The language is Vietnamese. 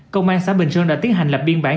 công an xã bình sơn đã tiến hành lập biên bản